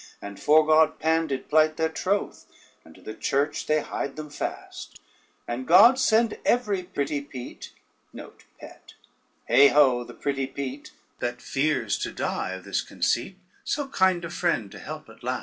And fore God Pan did plight their troth, and to the church they hied them fast. And God send every pretty peat, heigh ho, the pretty peat! That fears to die of this conceit, so kind a friend to help at last.